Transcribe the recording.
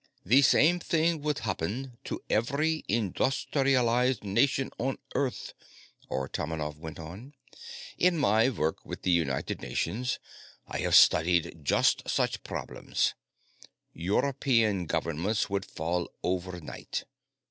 "The same thing would happen in every industrialized nation on Earth," Artomonov went on. "In my work with the United Nations, I have studied just such problems. European governments would fall overnight.